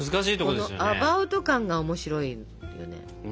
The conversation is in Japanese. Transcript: このアバウト感が面白いよね。